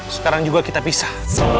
sekarang juga kita pisah